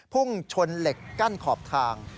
พุ่งชนเหล็กกั้นขอบทาง